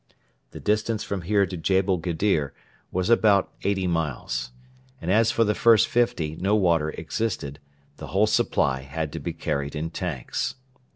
The distance from here to Jebel Gedir was about eighty miles, and as for the first fifty no water existed; the whole supply had to be carried in tanks.